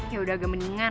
yaudah agak mendingan